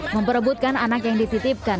memperebutkan anak yang dititipkan